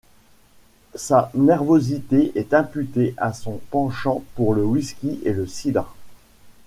Sa nervosité est imputée à son penchant pour le whisky et le cidre.